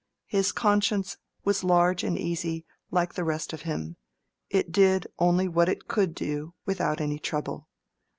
His conscience was large and easy, like the rest of him: it did only what it could do without any trouble.